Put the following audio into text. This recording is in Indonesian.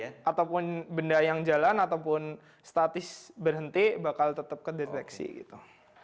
ya ataupun benda yang jalan ataupun statis berhenti bakal tetap kedeteksi gitu